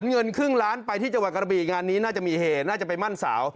เงินครึ่งล้านไปที่จังหวัดกระบีงานนี้น่าจะมีเหตุน่าจะไปมั่นสาว